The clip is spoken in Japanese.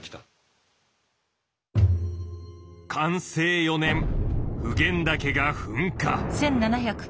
寛政４年普賢岳が噴火。